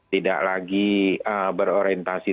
tidak lagi berorientasi